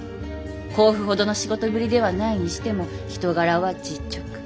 甲府ほどの仕事ぶりではないにしても人柄は実直。